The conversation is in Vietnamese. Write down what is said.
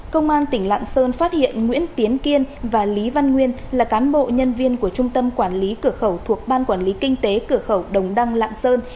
công an tỉnh lạng sơn phát hiện nguyễn tiến kiên và lý văn nguyên là cán bộ nhân viên của trung tâm quản lý cửa khẩu thuộc ban quản lý kinh tế cửa khẩu đồng đăng lạng sơn